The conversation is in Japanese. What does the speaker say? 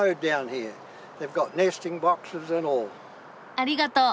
ありがとう。